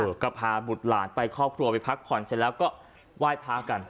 ก็พาบุตรหลานไปครอบครัวไปพักผ่อนเสร็จแล้วก็ไหว้พระกัน